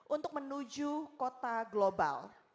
untuk menuju kota global